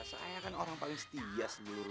saya kan orang paling setia seluruh diri